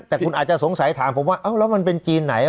แต่คุณอาจจะสงสัยถามผมว่าแล้วมันเป็นจีนไหน